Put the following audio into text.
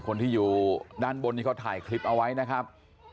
คนที่อยู่ด้านบนนี้เขาถ่ายคลิปเอาไว้นะครับ